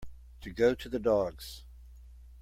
To go to the dogs.